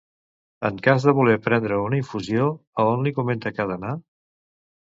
En cas de voler prendre una infusió, a on li comenta que ha d'anar?